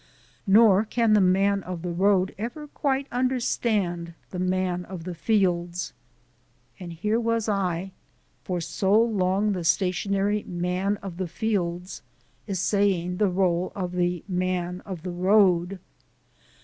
Nor can the Man of the Road ever quite understand the Man of the Fields. And here was I, for so long the stationary Man of the Fields, essaying the role of the Man of the Road.